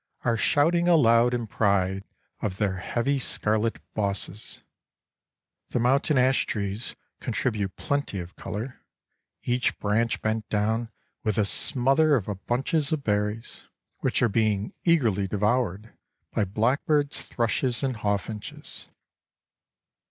are shouting aloud in pride of their heavy, scarlet bosses. The mountain ash trees contribute plenty of colour, each branch bent down with a smother of bunches of berries, which are being eagerly devoured by blackbirds, thrushes and hawfinches.